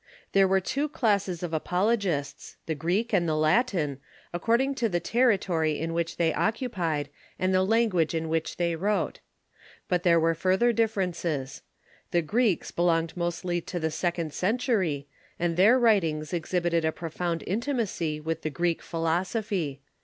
There were two classes of apologists, the Greek and the Latin, according to the territory which they occupied, and the language in which they wrote. But there were further differences. The Greeks belonged mostly to the second century, and their writings exhibited a profound intimacy with the Greek philosophy.